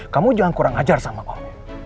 kamu jangan kurang ajar sama allah